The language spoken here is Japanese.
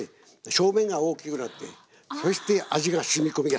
表面が大きくなってそして味がしみ込みやすい。